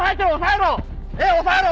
・・押さえろ！